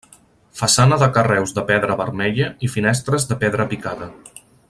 Façana de carreus de pedra vermella i finestres de pedra picada.